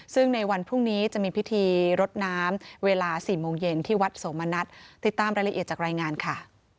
ซึ่งในวันพรุ่งนี้จะมีพิธีรดน้ำเวลา๔โมงเย็นที่วัดโสมณัฐติดตามรายละเอียดจากรายงานค่ะ